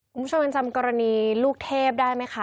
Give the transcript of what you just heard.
คุณผู้ชมยังจำกรณีลูกเทพได้ไหมคะ